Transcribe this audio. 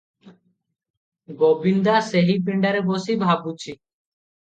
ଗୋବିନ୍ଦା ସେହି ପିଣ୍ତାରେ ବସି ଭାବୁଛି ।